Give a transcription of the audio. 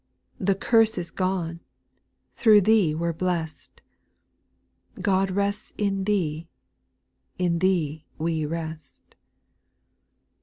The curse is gone — through Thee we're blest; God rests in Thee — in Thee we rest.